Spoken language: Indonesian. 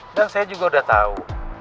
udah saya juga udah tahu